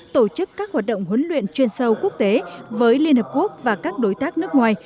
tổ chức các hoạt động huấn luyện chuyên sâu quốc tế với liên hợp quốc và các đối tác nước ngoài